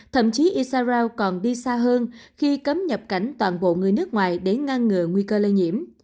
thậm chí isarao còn đi xa hơn khi cấm nhập cảnh toàn bộ người nước ngoài để ngăn ngừa nguy cơ lây nhiễm